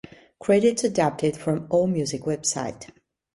Credits adapted from Allmusic website.